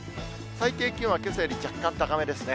最低気温はけさより若干高めですね。